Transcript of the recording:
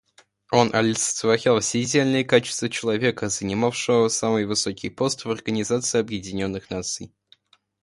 Он олицетворял все идеальные качества человека, занимавшего самый высокий пост в Организации Объединенных Наций.